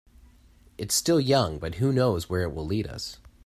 It's still young, but who knows where it will lead us.